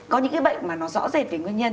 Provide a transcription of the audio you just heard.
có những cái bệnh mà nó rõ rệt về nguyên nhân